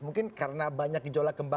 mungkin karena banyak gejolak